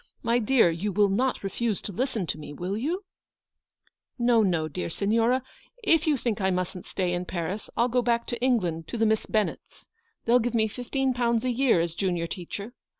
My dear, you will not refuse to listen to me, will you ?" "No, no, dear Signora. If you think I mustn't stay in Paris, I'll go back to England, to the Miss Bennetts. They'll give me fifteen pounds a year as junior teacher.